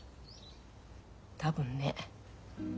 多分ね。